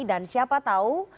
dan siapa tahu